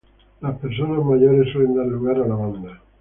Las personas mayores suelen dar lugar a la banda.